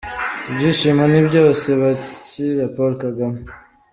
Ibyishimo ni byose bakira Paul Kagame.